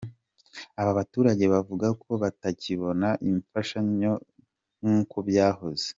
Aba baturage bavuga ko batakibona imfashanyo nk’uko byahoze.